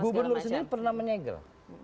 gubernur sendiri pernah menyegel